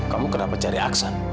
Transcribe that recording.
kamu kenapa cari aksan